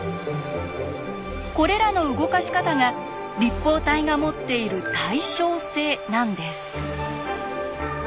これらの動かし方が「立方体が持っている対称性」なんです。